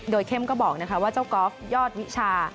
โดยเข้มก็บอกว่าเจ้ากอล์ฟยอดวิชา